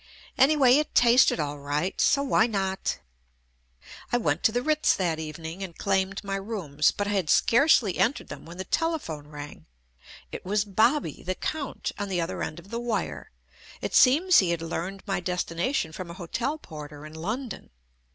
Anyway, it tasted all right, so why not? I went to the Ritz that evening and claimed my rooms, but I had scarcely entered them when the telephone rang. It was "Bobby," the count, on the other end of the wire. It seems he had learned my destination from a hotel porter in London.